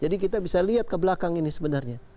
jadi kita bisa lihat ke belakang ini sebenarnya